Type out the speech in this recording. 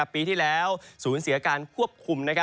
ปีที่แล้วสูญเสียการควบคุม